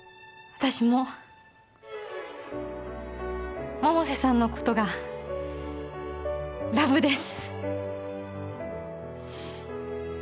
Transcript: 私も百瀬さんのことがラブです